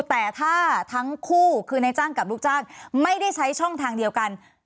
แต่ถ้าทั้งคู่คือในจ้างกับลูกจ้างไม่ได้ใช้ช่องทางเดียวกัน